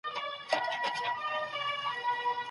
د کلي په ویاله کې اوبه ډېرې روانې دي.